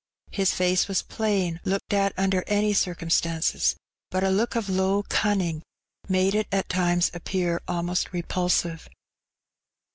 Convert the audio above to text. His face was plain, looked at under any circumstances, but a look of low cunning made it at times appear almost repulsive.